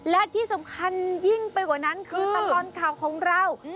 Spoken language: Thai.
และที่สำคัญยิ่งไปกว่านั้นคือตลอดข่าวของเรา